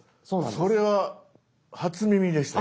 それは初耳でした。